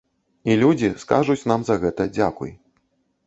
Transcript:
І людзі скажуць нам за гэта дзякуй.